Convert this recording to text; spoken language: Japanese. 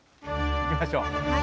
行きましょう。